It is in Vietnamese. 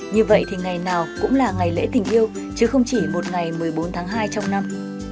như vậy thì ngày nào cũng là ngày lễ tình yêu chứ không chỉ một ngày một mươi bốn tháng hai trong năm